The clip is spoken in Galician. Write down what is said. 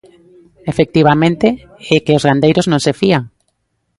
Efectivamente, é que os gandeiros non se fían.